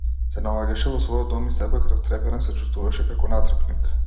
Се наоѓаше во својот дом и сепак, растреперен, се чувствуваше како натрапник.